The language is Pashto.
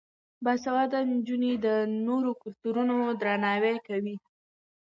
باسواده نجونې د نورو کلتورونو درناوی کوي.